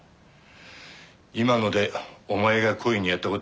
今のでお前が故意にやった事は明白だ。